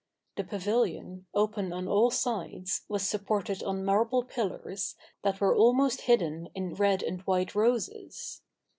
The pavilion, open on all sides, was supported on marble pillars, that were almost hidden in red and white roses.